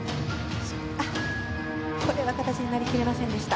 これは形になり切れませんでした。